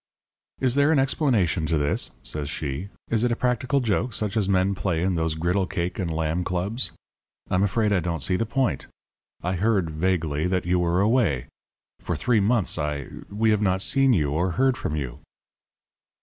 "'Is there an explanation to this?' says she. 'Is it a practical joke such as men play in those Griddle cake and Lamb Clubs? I'm afraid I don't see the point. I heard, vaguely, that you were away. For three months I we have not seen you or heard from you.'